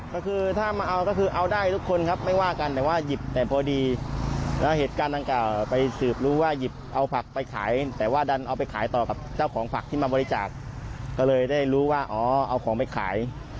ก็คือถ้ามาเอาก็คือเอาได้ทุกคนครับไม่ว่ากันแต่ว่าหยิบแต่พอดีแล้วเหตุการณ์ดังกล่าวไปสืบรู้ว่าหยิบเอาผักไปขายแต่ว่าดันเอาไปขายต่อกับเจ้าของผักที่มาบริจาคก็เลยได้รู้ว่าอ๋อเอาของไปขาย